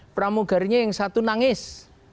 pramugarinya yang satu nangis